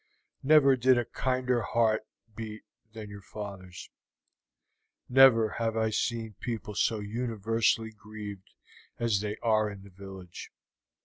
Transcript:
Never did a kinder heart beat than your father's; never have I seen people so universally grieved as they are in the village.